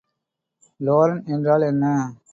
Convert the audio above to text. Laurent என்றால் என்ன?